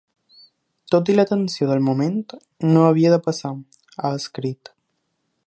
Tot i la tensió del moment, no havia de passar, ha escrit.